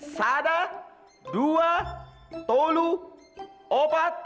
sada dua tolu opat